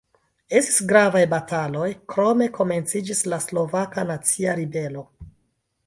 Estis gravaj bataloj, krome komenciĝis la Slovaka Nacia Ribelo.